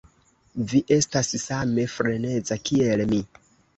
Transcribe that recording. Vi estas same freneza, kiel mi.